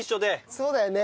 そうだよね。